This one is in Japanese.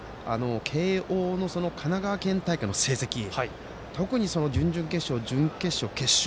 慶応の神奈川県大会の成績特に準々決勝、準決勝、決勝。